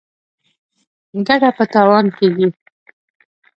ـ ګټه په تاوان کېږي.